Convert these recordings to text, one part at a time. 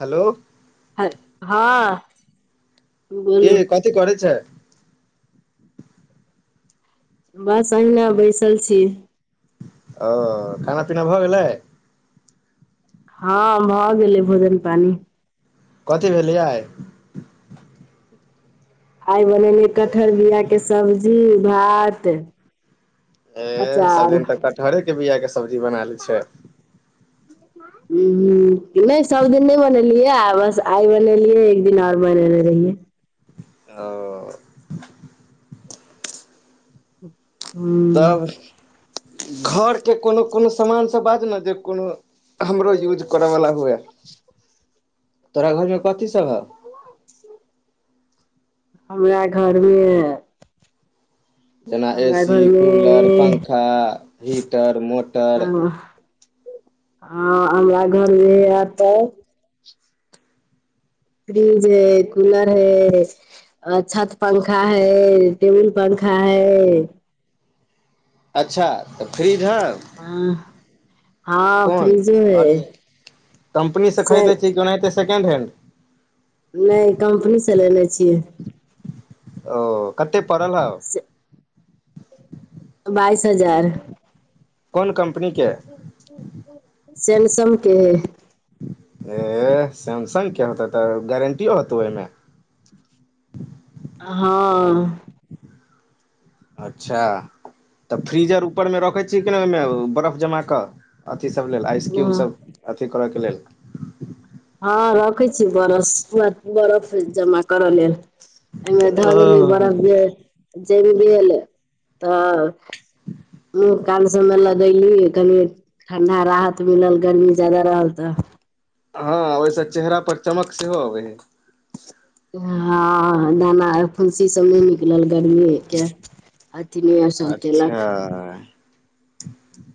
Hello! ह, हँ के बोलू कथी करेै छै? बस अहिना बैसल छी। ओ खाना-पीना भऽ गेलै? हँ भऽ गेलै भोजन-पानी कथी भेलै आइ? आइ बनेलियै कटहर बिआके सब्जी, भात ए सब अचार दिन तँ उ कटहरेके बिआके सब्जी बना ले छियै ह [inaudible] हू हू, ने सभ दिन ने बनेलियै आ बस आइ बनेलियै एक दिन ओर बनेने रहियै ओ हूॅं तब घरके कोनो कोनो सामान सब बाज ने जे कोनो हमरो यूज करऽ वला हुअए तोरा घरमे कथी सभ हउ? हमरा घरमे जेना हमरा एसी, घरमे कूलर, पंखा, हीटर, मोटर हँ हमरा घरमे [unintelligible] फ्रिज है, कूलर हैय अ छत पंखा हैय, टेबुल पंखा हैय अच्छा तऽ फ्रीज हौ? हँ कोन? फ्रिजे है [unintelligible] कम्पनीसँ से खरीदने छीही ओनाहितै सेकेंड हैण्ड? ने कम्पनीसँ लेने छियै ओ कते पड़ल हौउ? से बाइस हजार। कौन कम्पनीके? सैमसमके हैय। हे सैमसंगके होतै तऽ गारंटियो होतौ ओहिमे? हँ अच्छा त फ्रीजर ऊपर में रखै छियै कि ना ओहिमे बरफ जमा क अथि सभ लेल आइसक्यू हँ सब अथी करयके लेल हँ रखै छी बरफ पूरा बरफ जमा करऽ लेल एहिमे ध देलीए ओ बर्फ जे ज [unintelligible] तऽ गाल सबमे लगली कनि ठंडा राहत मिलल गर्मी जादा रहल त हँ ओहिस चेहरा पर चमक सेहो अबे हँ दाना फुन्सी सब नहि निकलल गर्मी के अथि नहि असर केलक अच्छा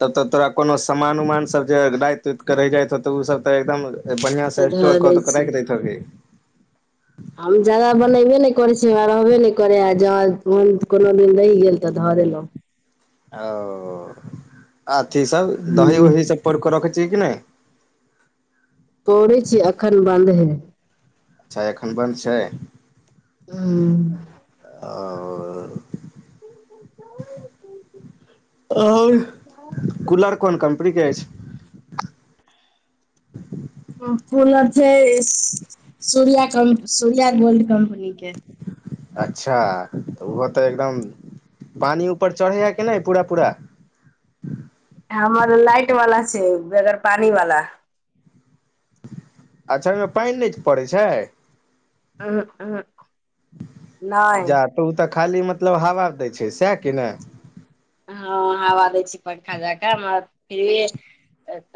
तब त तोरा कोनो सामान उमान सब जे राति उत के रहि जाय हेतो ओ सब त एकदम बढ़ियां तऽ से धऽ स्टोर दै क के त छी राइख दैत हेबही हम जादा बनबे नहि करै छी रहबे नहि करै आ जहंन कोनो दिन रहि गेल त ध देलो ओ आथी सब दही हूँ वहि सब पोरकेरख छै कि नहि पौड़ै छी एखन बन्द हइ च्छा एखन बन्द छै ह [inaudible] आओर आ कूलर कोन कम्पनी के अछि कूलर छै सूर्य कम सूर्या गोल्ड कम्पनी के अच्छा त ओहो त एकदम पानी ऊपर चढ़ैया के ने पूरा पूरा हमर लाइट वाला छै बगैर पानी वाला अच्छा ओमे पानि नहि पड़ैत छै चहुं उहू जा तऽ ओ तऽ खाली मतलब हवा दै छै सएह कि ने हँ हवा दै छी पंखा जाका म फिर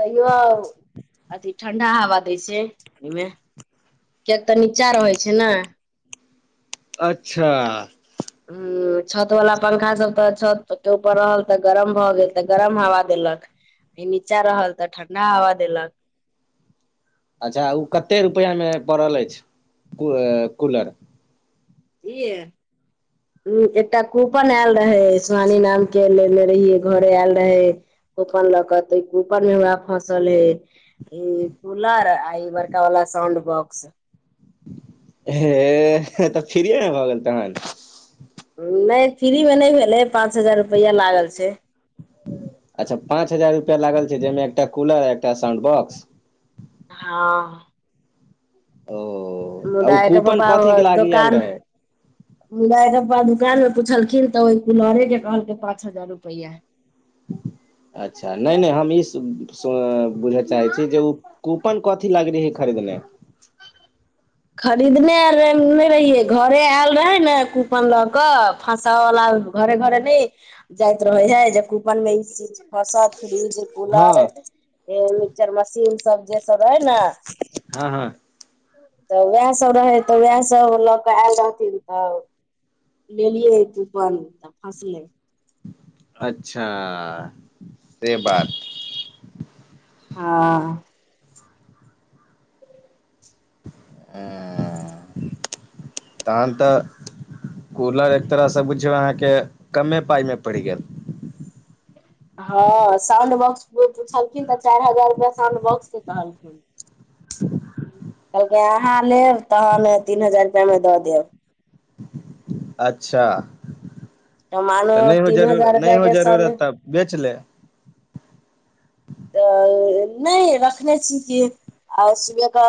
तैयो अथी ठंडा हवा दै छै ओहिमे किया तऽ नीच्चा रहै छै ने अच्छा हूँ छत वाला पंखा सब त छत के ऊपर रहल त गरम भ गेल त गरम हवा देलक इ नीचा रहल तऽ ठंडा हवा देलक अच्छा ओ कते रुपैआमे पड़ल अछि कू कूलर ई एकटा कूपन आयल रहे सुहानी नाम के लेने रहिय घरे आयल रहे कूपन लऽ क तऽ कूपन मे हमरा फसल हे ई कूलर आ ई बड़का वाला साउंड बॉक्स हे त फिरिय में भाय गेल तहन नहि फ्रीमे नहि भेलै पाँच हजार रुपैया लागल छै अच्छा पाँच हजार रुपआ लागल छै जाहिमे एकटा कूलर एकटा साउंड बॉ्स हँ तऽ मुदायकख‌ पापा ओ दोकान मुदा जखन पा‌ दुकान मे पुछलखिन तऽ ओहि कुलहरे के कहलकै पाँच हजार रुपैआ अच्छा नहि नहि हम ई बुझय चाहै छी जे ओ कूपन कथी लागली है खरीदने खरीदने आर नय रहियै घरे आयल रहे ने कूपन लऽ कऽ फसे बला घर घर ने जाइत रहै ह जे कूपन में इ चीज हसत फ्रिज हँ कूलर मिक्सचर मशीन सब जे सब रहे ने हँ हँ त उएह सभ रहै त उएह सभ ल क आयल रहथिन त लेलियै कूपन त फसलै अच्छा से बात हँ तहन तऽ कूलर एक तरहसँ बुझियौ अहाँके कमे पाइमे पड़ि गेल हँ साउंड बॉक्स पुछलखिन त चारि हजार साउंड बॉक्स के कहलखिन [inaudible] कहलकै अहाँ लेब त तहन तीन हजार रुपैयामे द देब अच्छा हम मानू तऽ नहि हो तीन जरूर हजार नहि रुपआ हो के जरूरत साउंड तब बेच ले तऽ नहि रखने छी कि आ सुबहके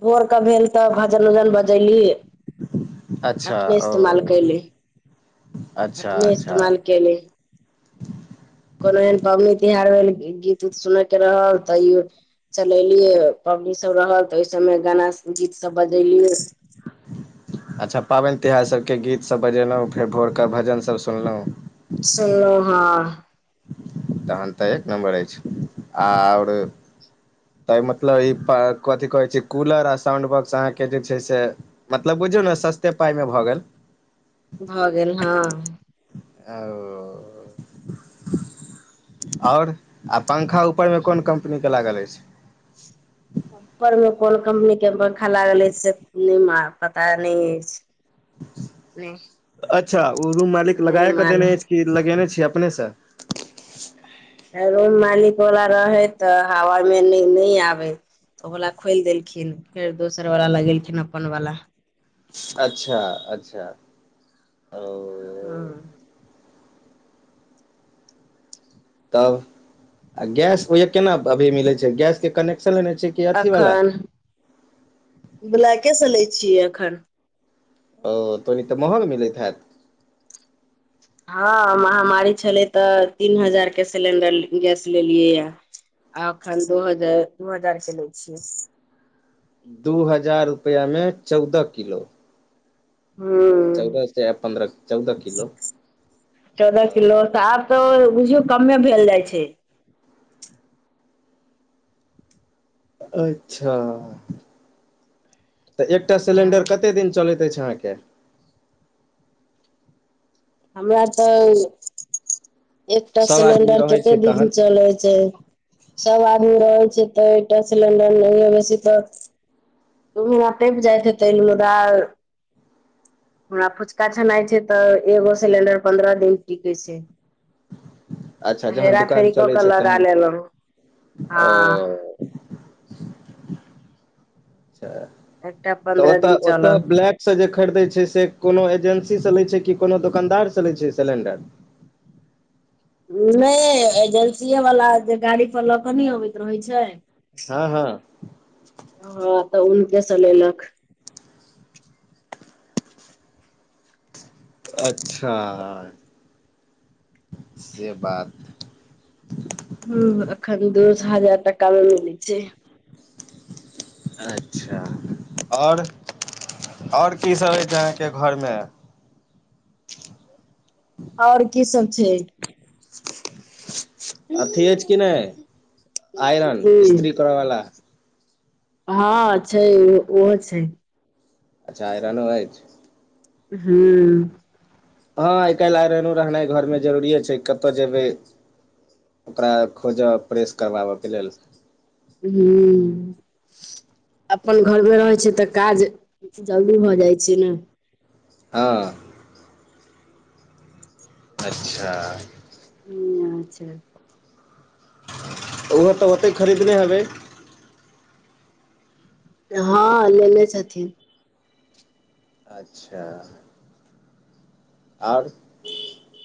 भोर क भेल तऽ भजन उजन बजैली अच्छा अपने इस्तेमाल ओ कैली अच्छा अपने अच्छा इस्तेमाल गेले कोनो एहन पाबनि त्योहार भेल त गीत उत सुनैत रहल तैयो चलेलिय पबनी सब रहल त ओहि सभमे गाना गीत सब बजेलियै [inaudible] अच्छा पाबेन तिहार सभके गीतसभ बजेलहुँ फेर भोरक भजनसभ सुनलो सुनलौ हँ तहलटे नम्बर अछि ओर त मतलब ई कथि कहैत छै कूलर आ साउंड बॉक्स अहाँके जे छै से मतलब बुझयौ न सस्ते पाइमे भ गेल भ गेल हँ ओ आओर आ पंखा उपर मे कोन कम्पनी के लागल अछि उपर में कोन कम्पनी के पंखा लागल अछि से पता नहि अछि नहि अच्छा ओ रूम मालिक नहि लगाय के देने मालूम अछि कि लगेने छियै अपने से रोम मालिक वला रहे तऽ हवा मे नहि आबे तऽ ओ बाला खोलि देलखिन फेर दोसर वाला लगेलखिन अपन वला अच्छा अच्छा ओ हँ तब आ गैस ओहिह केना अभी मिलै छै गैस के कनेक्शन लेने छै की एखन बलाकेसँ लै छियै एखन ओ तनी तऽ महंग मिलैत हैत हँ महामारी छलै तऽ तीन हजार के सिलेंडर गैस लेलियै या आ एखन दू हजार दू हजार के लै छियै दू हजार रुपैयामे चौदह किलो हँ पह पद्रंह चौदह किलो चौदह किलो त आब तऽ बुझियौ कमे भेल जाय छै अच्छा तऽ एकटा सिलेंडर कते दिन चलैत अछि अहाँके हमरा तऽ एकटा सभ आदमी सिलेंडर रहै कते छै तहन दिन चलै छै सब आदमी रहै छै तऽ एकटा सिलेंडर नैओ बेसी तऽ तू [unintelligible] मरा टपि जाइत हे तै हमरा फुचका छनाइ छै तऽ एगो सिलेंडर पन्द्रह दिन टिके छै अच्छा तऽ जहन हेरा दुकान फेरी कऽ चलै क छै लगा तहन लेलहुँ हँ ओ अच्छा एकटा तऽ पन्द्रह ओतऽ दिन ओतऽ चलल ब्लैक से जे खरीदे छै से कोनो एजेंसी से लै छै कि कोनो दोकनदार स लै छै सिलेंडर नहि एजेंसीए वाला जे गाड़ी पर लऽ कऽ नहि अबैत रहैत छै हँ हँ हँ तऽ ऊनकेसँ लेलक अच्छा से बात हूं एखन दोस हजार टका मे मिलैत छै अच्छा आओर आओर कीसभ होइ छै अहाँके घरमे आओर की सब छै [inaudible] अथी अछि कि नहि आयरन की स्त्री करय वाला हँ छै ओहो छै अच्छा आइरनो अछि हूं हँ आ काल्हि आयरनो रहनाइ घरमे जरूरिए छै कतय जेबै ओकरा खोजऽ प्रेस करबाबऽके लेल हूं अपन घरमे रहैत छै तऽ काज जल्दी भऽ जाइ छै ने हँ अच्छा हूं अच्छा ओहहो तऽ ओते खरीदने हेबै हँ लेले छथिन अच्छा आर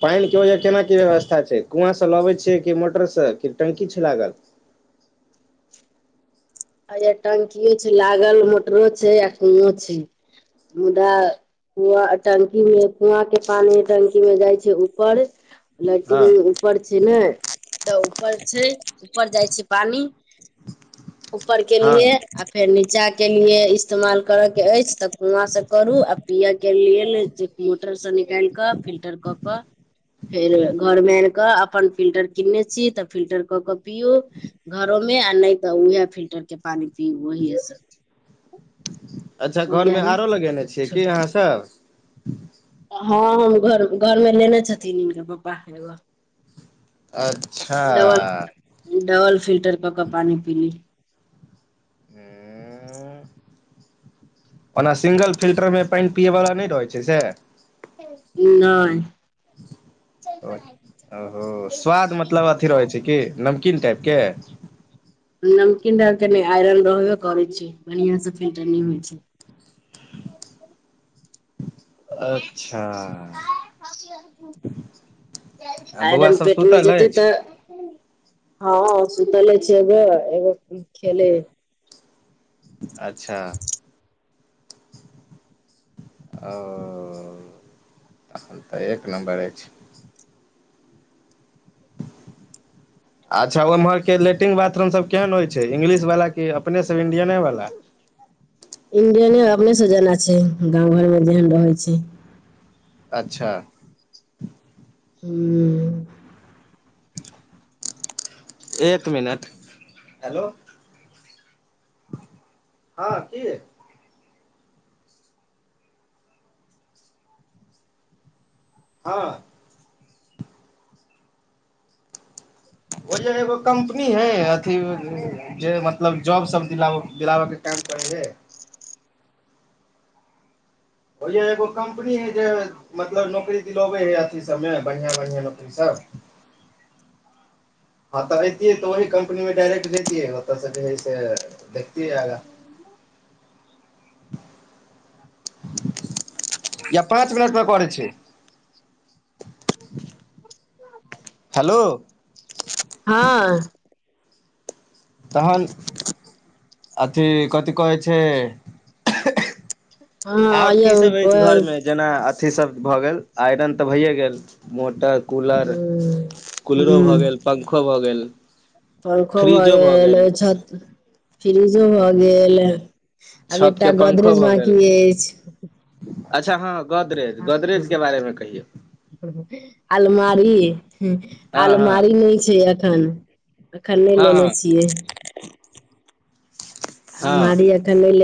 पानि के ओहिज केना की व्यवस्था छै कुआँसँ लबैत छियै कि मोटरसँ कि टंकी छै लागल अइयो टंकियो छै लागल मोटरो छै आ कुंओ छै मुदा कुआ टंकी मे कुआँ के पानी टंकी में जाइ छै ऊपर लाइटिंग हँ ऊपर छै ने तऽ ऊपर छै ऊपर जाइ छै पानी ऊपर हँ केलियै आ फेर नीचा केलियै इस्तेमाल करऽके अछि तऽ कुआँसँ करू आ पिऽके लेल जे मोटर स निकालि कऽ फिल्टर क कऽ फेर घर मे आन कऽ अपन फिल्टर किनने छी तऽ फिल्टर क के पियू घरोमे आ नहि तऽ उएह फिल्टर के पानि पीबू उहे सब अच्छा घरमे आरो लगेने छियै छोड़ की अहाँसभ हँ हम घर घरमे लेने छथिन हिनकर पप्पा एगो अच्छा डबल डबल फिल्टर कऽ कऽ पानि पी ली ऐंह ओना सिंगल फिल्टर मे नहि चल पढ़ाइ करे ओ स्वाद मतलब अथी रहै छै की नमकीन टाइप के नमकीन डालि के नै आइरन रहबे करैत छै बढ़ियाँ से फिल्टर नहि होइ छै अच्छा आ बौआ आयरन सब पेटमे सुतल जेतै अछि तऽ हँ सुतले छियौ गे एगो खेलै अच्छा ओ तहन तऽ एक नम्बर अछि अच्छा ओम्हरके लैट्रिन बाथरूम सभ केहन होइ छै इंग्लिशवला कि अपनेसभ इंडियने वला इंडियने अपने सब जाना छै गाँंव घर मे जेहन रहै छै अच्छा हूंम्म एक मिनट हेलो हँ की हँ ओ जर एगो कम्पनी है अथी जे मतलब जॉब सब दिलाब दिलाबय के काम करै हय भैया एगो कम्पनी है जे मतलब नौकरी दिलोबै हय अथी सभमे बढ़ियाँ बढ़ियाँ नौकरी सब हँ तऽ ऐतियै तऽ वहि कम्पनी मे डायरेक्ट जैतियै ओतऽ जे है से देखतियै आगाँ [inaudible] या पाँच मिनट मे करै छी हेलो हँ तहन अथी कथी कहै छै हँ आओर य की हूँ सभ अछि घरमे जेना अथीसभ भऽ गेल आयरन तऽ भइए गेल मोटर कूलर कूलरो भऽ हूँ गेल पंखो भऽ गेल पंखो भऽ गेल छत फ्रिजो भऽ गेल आब छत एकटा के पंखो गोदरेज भऽ बाँकी गेल अछि अच्छा हँ गोदरेज गोदरेज के बारेमे कहियौ अलमारी हँ हँ अलमारी नहि छै ये एखन एखन नहि हँ लेने हँ छियै हँ अलमारी एखन नै लेने